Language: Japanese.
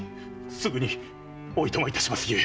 すぐにお暇いたしますゆえ！